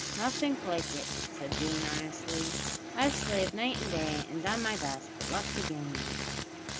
"Nothink like it," said Boone earnestly. "I've slaved night and day, an' done my best, but luck's again' me."